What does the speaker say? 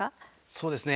そうですね。